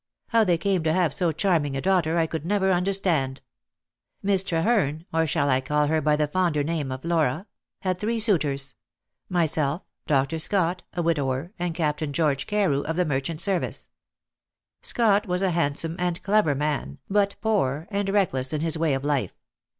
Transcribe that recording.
How they came to have so charming a daughter I could never understand. Miss Treherne or shall I call her by the fonder name of Laura? had three suitors myself, Dr. Scott, a widower, and Captain George Carew, of the merchant service. Scott was a handsome and clever man, but poor, and reckless in his way of life.